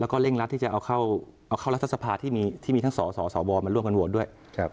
แล้วก็เร่งรัดที่จะเอาเข้ารัฐสภาที่มีทั้งสสวมาร่วมกันโหวตด้วย